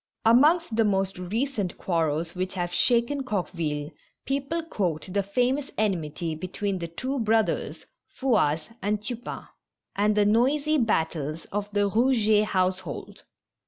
Amongst the most recent quarrels which have shaken Coqueville, people quote the famous enmity between the two brothers, Fouasse and Tupain, and the noisy battles of the Eouget household.